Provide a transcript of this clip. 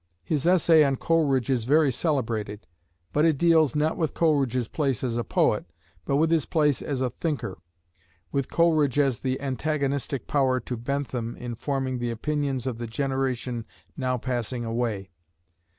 His essay on Coleridge is very celebrated; but it deals, not with Coleridge's place as a poet, but with his place as a thinker with Coleridge as the antagonistic power to Bentham in forming the opinions of the generation now passing away.